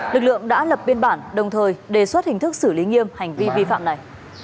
lực lượng đã lập biên bản đồng thời đề xuất hình thức xử lý nghiêm hành vi vi phạm này